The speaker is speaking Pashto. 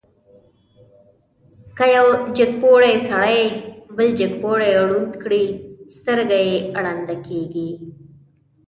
که یو جګپوړی سړی بل جګپوړی ړوند کړي، سترګه یې ړنده کېږي.